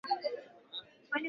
swala laku lakuwa na